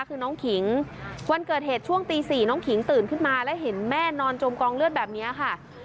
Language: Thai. คือน้องขิงวันเกิดเหตุช่วงตี๔น้องขิงตื่นขึ้นมาแล้วเห็นแม่นอนจมกองเลือดแบบนี้ค่ะ